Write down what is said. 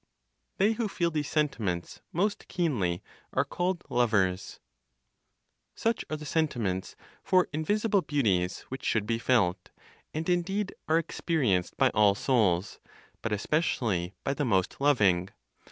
THEY WHO FEEL THESE SENTIMENTS MOST KEENLY ARE CALLED LOVERS. Such are the sentiments for invisible beauties which should be felt, and indeed are experienced by all souls, but especially by the most loving.